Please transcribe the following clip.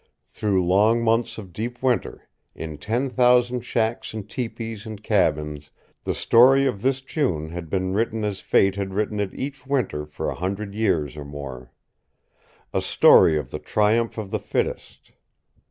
Through, long months of deep winter, in ten thousand shacks and tepees and cabins, the story of this June had been written as fate had written it each winter for a hundred years or more. A story of the triumph of the fittest.